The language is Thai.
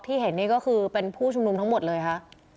เห็นนี่ก็คือเป็นผู้ชุมนุมทั้งหมดเลยค่ะ